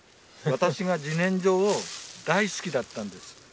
私が自然薯を大好きだったんです。